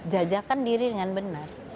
jajakan diri dengan benar